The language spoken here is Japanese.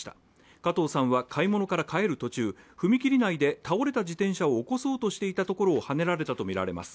加藤さんは買い物から帰る途中、踏切内で倒れた自転車を起こそうとしていたところをはねられたとみられます。